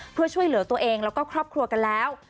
เพื่อช่วยเหลือตัวเองแล้วก็ครอบครัวกันแล้ว